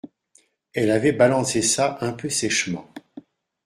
Elle avait balancé ça un peu sèchement